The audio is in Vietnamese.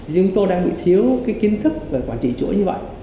nhưng tôi đang bị thiếu cái kiến thức về quản trị chuỗi như vậy